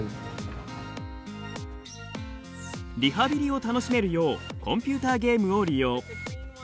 リハビリを楽しめるようコンピューターゲームを利用。